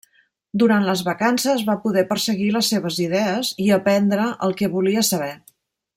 Durant les vacances va poder perseguir les seves idees i aprendre el que volia saber.